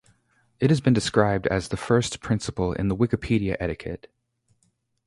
It has been described as "the first principle in the Wikipedia etiquette".